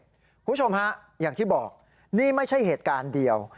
คุณผู้ชมฮะอย่างที่บอกนี่ไม่ใช่เหตุการณ์เดียว